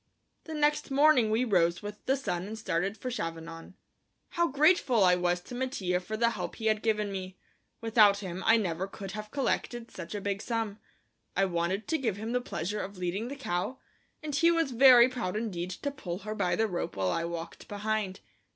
The next morning we rose with the sun and started for Chavanon. How grateful I was to Mattia for the help he had given me; without him I never could have collected such a big sum. I wanted to give him the pleasure of leading the cow, and he was very proud indeed to pull her by the rope while I walked behind.